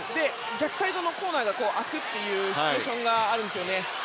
逆サイドのコーナーが空くというシチュエーションがあるんですよね。